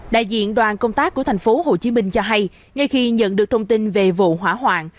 đại diện đoàn công tác của tp hcm cho hay ngay khi nhận được thông tin về vụ hỏa hoạn